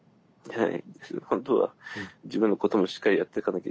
はい。